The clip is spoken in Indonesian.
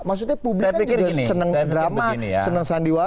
maksudnya publik juga senang drama senang sandiwara